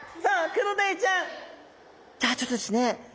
じゃあちょっとですね